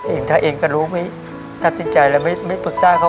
เองถ้าเองก็รู้ไม่ตัดสินใจแล้วไม่ปรึกษาเขา